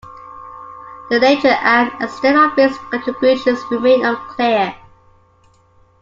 The nature and extent of his contributions remain unclear.